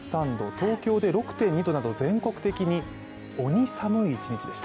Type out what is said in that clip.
東京で６．２度など全国的に鬼寒い一日でした。